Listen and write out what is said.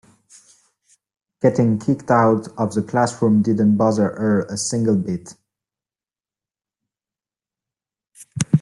Getting kicked out of the classroom didn't bother her a single bit.